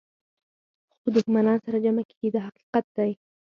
خو دښمنان سره جمع کېږي دا حقیقت دی.